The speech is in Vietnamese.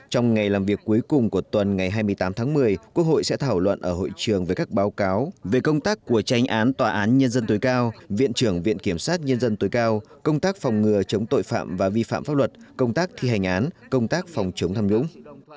trong ngày làm việc cuối cùng của tuần ngày hai mươi tám tháng một mươi quốc hội sẽ thảo luận ở hội trường về các báo cáo về công tác của tranh án tòa án nhân dân tối cao viện trưởng viện kiểm sát nhân dân tối cao công tác phòng ngừa chống tội phạm và vi phạm pháp luật công tác thi hành án công tác phòng chống tham nhũng